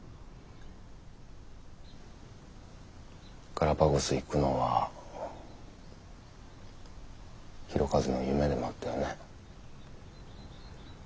ガラパゴス行くのは弘和の夢でもあったよね。